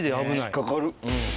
引っ掛かる。